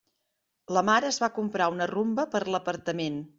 La Mar es va comprar una Rumba per a l'apartament.